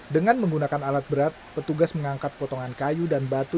dengan menggunakan alat berat petugas mengangkat potongan kayu dan batu